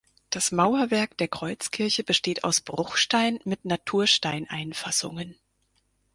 Das Mauerwerk der Kreuzkirche besteht aus Bruchstein mit Natursteineinfassungen.